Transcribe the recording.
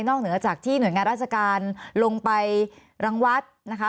เหนือจากที่หน่วยงานราชการลงไปรังวัดนะคะ